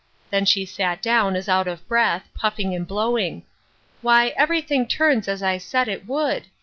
Then she sat down, as out of breath, puffing and blowing. Why, every thing turns as I said it would!